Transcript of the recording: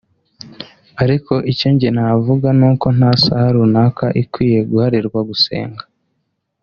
Ariko icyo njye navuga nuko nta saha runaka ikwiye guharirwa gusenga